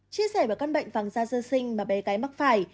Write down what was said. chia sẻ về các bệnh vàng da sơ sinh mà bé gái mắc phải